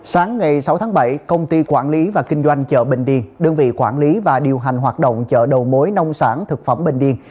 sáng ngày sáu tháng bảy công ty quản lý và kinh doanh chợ bình điền đơn vị quản lý và điều hành hoạt động chợ đầu mối nông sản thực phẩm bình điền